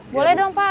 boleh dong pak